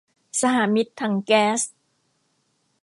สหมิตรถังแก๊ส